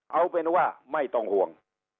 เอาเป็นว่าไม่ต้องห่วง